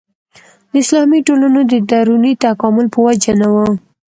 د اسلامي ټولنو د دروني تکامل په وجه نه وه.